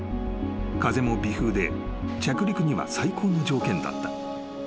風も微風で着陸には最高の条件だった］